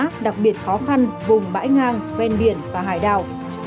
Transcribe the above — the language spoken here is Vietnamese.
đặc biệt khó khăn vùng bãi ngang ven biển và hải đảo